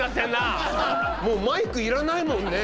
もうマイクいらないもんね。